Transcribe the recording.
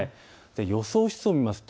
予想湿度を見ます。